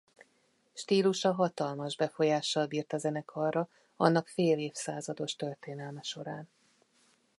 Stílusa hatalmas befolyással bírt a zenekarra annak fél évszázados történelme során.